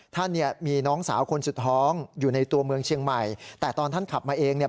ท่านเนี่ยมีน้องสาวคนสุดท้องอยู่ในตัวเมืองเชียงใหม่แต่ตอนท่านขับมาเองเนี่ย